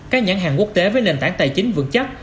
các nhãn hàng quốc tế với nền tảng tài chính vững chắc